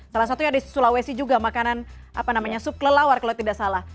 salah satunya di sulawesi juga makanan apa namanya sup kelelawar kalau tidak salah